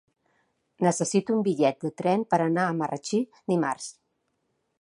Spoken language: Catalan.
Necessito un bitllet de tren per anar a Marratxí dimarts.